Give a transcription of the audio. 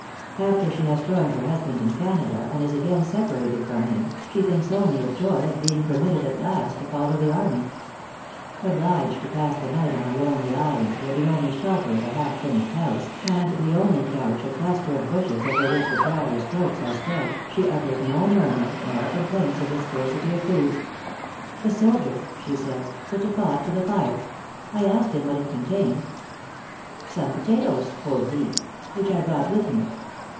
After she has joined her husband in Canada, and is again separated from him, she thinks only of joy at being permitted at last to follow the army. Obliged to pass the night on a lonely island, where the only shelter is a half finished house, and the only couch a cluster of bushes over which the traveller's cloaks are spread, she utters no murmur, nor complains of the scarcity of food. "A soldier," she says, "put a pot to the fire. I asked him what it contained. 'Some potatoes,' quoth he, 'which I brought with me.'